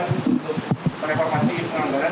untuk reformasi penganggaran